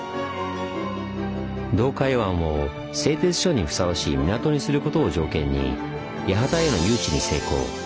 洞海湾を製鐵所にふさわしい港にすることを条件に八幡への誘致に成功。